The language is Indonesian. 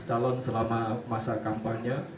calon selama masa kampanye